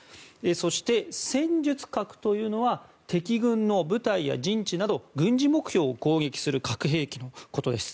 そして、戦術核というのは敵軍の部隊や陣地など軍事目標を攻撃する核兵器のことです。